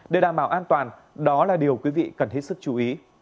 để đảm bảo an toàn đó là điều quý vị cần hết sức chú ý